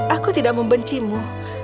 aku tidak membencimu